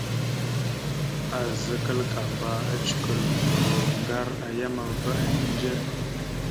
Azza kǝlakamba, ocǝkulvurro ngar a yam va ehindze.